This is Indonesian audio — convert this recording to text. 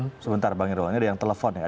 halo sebentar bang eroh ini ada yang telepon ya